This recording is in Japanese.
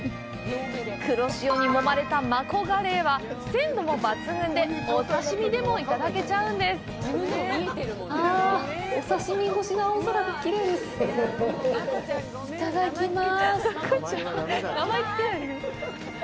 黒潮にもまれたマコガレイは鮮度も抜群で、お刺身でもいただけちゃうんです。いただきます。